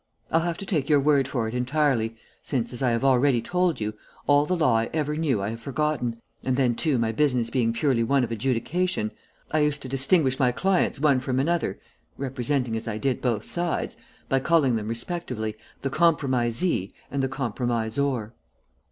"I'll have to take your word for it entirely, since, as I have already told you, all the law I ever knew I have forgotten, and then, too, my business being purely one of adjudication, I used to distinguish my clients one from another representing, as I did, both sides by calling them, respectively, the compromisee and the compromisor."